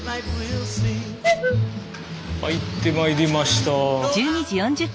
帰ってまいりました。